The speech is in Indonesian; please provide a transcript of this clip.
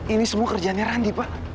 ini semua kerjaannya randi pak